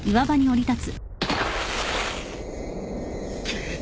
くっ。